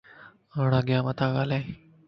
ھاڻ اڳيان متان ڳالھائين